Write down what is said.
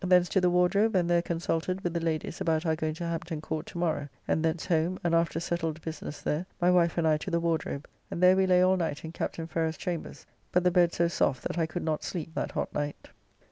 Thence to the Wardrobe; and there consulted with the ladies about our going to Hampton Court to morrow, and thence home, and after settled business there my wife and I to the Wardrobe, and there we lay all night in Captain Ferrers' chambers, but the bed so soft that I could not sleep that hot night.